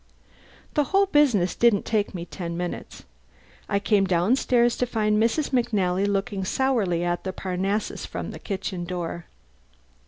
The whole business didn't take me ten minutes. I came downstairs to find Mrs. McNally looking sourly at the Parnassus from the kitchen door.